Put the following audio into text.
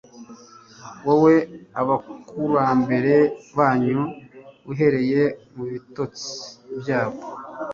Wowe abakurambere banyu uhereye mubitotsi byabo